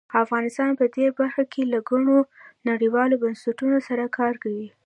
افغانستان په دې برخه کې له ګڼو نړیوالو بنسټونو سره کار کوي.